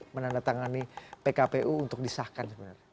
menandatangani pkpu untuk disahkan